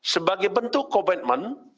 sebagai bentuk koordinasi